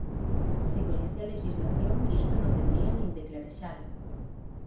Se coñece a lexislación, isto non debería nin de clarexalo.